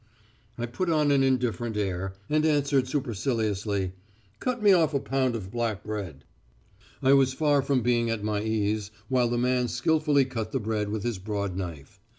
"I put on an indifferent air, and answered superciliously: "'Cut me off a pound of black bread....' "I was far from being at my ease while the man skilfully cut the bread with his broad knife.